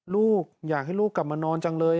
ลูกอยากให้ลูกกลับมานอนจังเลย